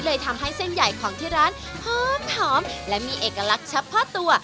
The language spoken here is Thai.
ทำให้เส้นใหญ่ของที่ร้านหอมและมีเอกลักษณ์เฉพาะตัว